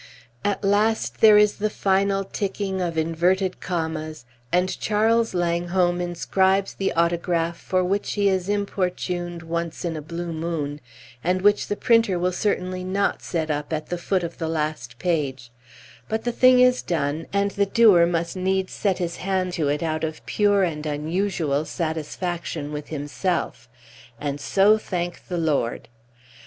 At last there is the final ticking of inverted commas, and Charles Langholm inscribes the autograph for which he is importuned once in a blue moon, and which the printer will certainly not set up at the foot of the last page; but the thing is done, and the doer must needs set his hand to it out of pure and unusual satisfaction with himself. And so, thank the Lord!